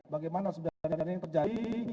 bagaimana sebenarnya hal hal yang terjadi